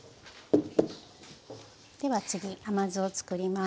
では次甘酢を作ります。